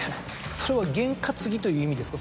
それは験担ぎという意味ですか？